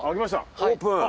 オープン。